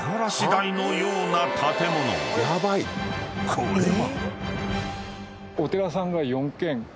［これは？］